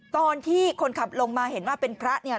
ตอนที่คนขับลงมาเห็นว่าเป็นพระเนี่ย